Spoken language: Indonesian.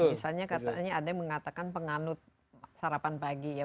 misalnya katanya ada yang mengatakan penganut sarapan pagi ya